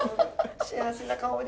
幸せな香り。